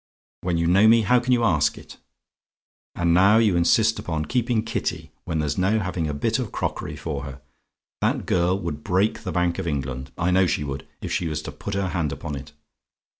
When you know me, how can you ask it? "And now you insist upon keeping Kitty, when there's no having a bit of crockery for her? That girl would break the Bank of England I know she would if she was to put her hand upon it.